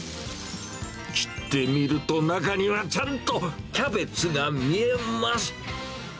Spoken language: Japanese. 切ってみると、中にはちゃんとキャベツが見えます。